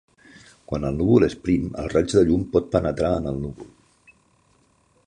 Quan el núvol és prim el raig de llum pot penetrar en el núvol.